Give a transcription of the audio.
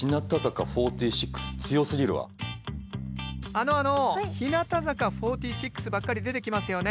あのあの日向坂４６ばっかり出てきますよね。